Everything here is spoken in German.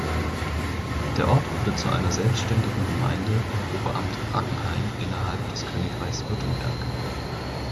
Der Ort wurde zu einer selbstständigen Gemeinde im Oberamt Brackenheim innerhalb des Königreichs Württemberg.